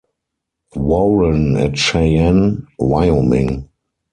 Warren at Cheyenne, Wyoming.